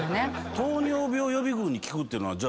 糖尿病予備軍に効くっていうのはじゃ